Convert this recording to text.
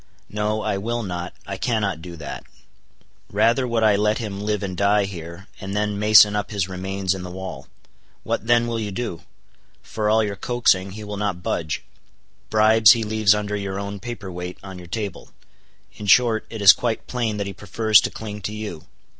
No, I will not, I cannot do that. Rather would I let him live and die here, and then mason up his remains in the wall. What then will you do? For all your coaxing, he will not budge. Bribes he leaves under your own paperweight on your table; in short, it is quite plain that he prefers to cling to you.